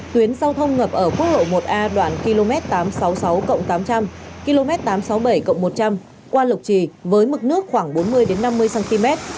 tuyến giao thông ngập ở quốc lộ một a đoạn km tám trăm sáu mươi sáu tám trăm linh km tám trăm sáu mươi bảy một trăm linh qua lục trì với mực nước khoảng bốn mươi năm mươi cm